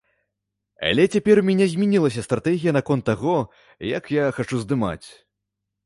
Але цяпер у мяне змянілася стратэгія наконт таго, як я хачу здымаць.